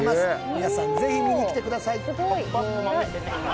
皆さんぜひ見に来てください。